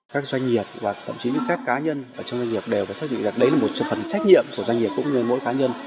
các doanh nghiệp và tậm chí các cá nhân trong doanh nghiệp đều phải xác định rằng đấy là một phần trách nhiệm của doanh nghiệp cũng như mỗi cá nhân